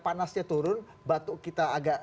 panasnya turun batuk kita agak